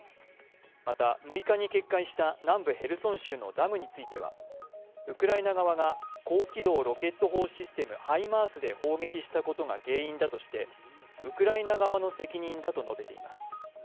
また、６日に決壊した南部ヘルソン州のダムについては、ウクライナ側が高機動ロケット砲システムハイマースで砲撃したことが原因だとしてウクライナ側の責任だと述べています。